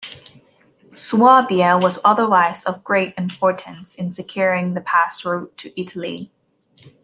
Swabia was otherwise of great importance in securing the pass route to Italy.